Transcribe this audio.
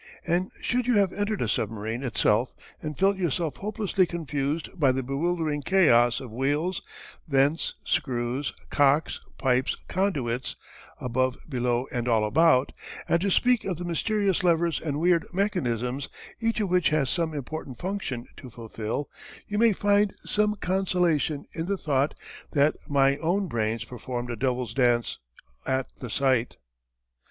And should you have entered a submarine itself and felt yourself hopelessly confused by the bewildering chaos of wheels, vents, screws, cocks, pipes, conduits above, below, and all about not to speak of the mysterious levers and weird mechanisms, each of which has some important function to fulfill, you may find some consolation in the thought that my own brains performed a devils' dance at the sight.